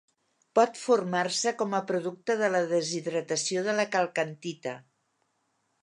Pot formar-se com a producte de la deshidratació de la calcantita.